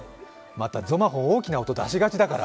またゾマホン、大きな音、出しがちだから。